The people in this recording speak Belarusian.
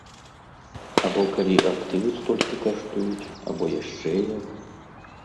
Або калі актывы столькі каштуюць, або яшчэ як?